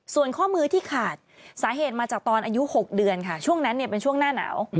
ส่วนข้อมือที่ขาดสาเหตุมาจากตอนอายุ๖เดือนค่ะช่วงนั้นเป็นช่วงหน้าหนาว